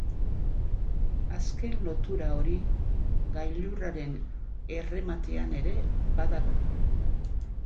Azken lotura hori gailurraren errematean ere badago.